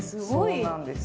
そうなんです。